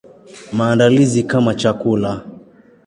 Maandalizi kama chakula.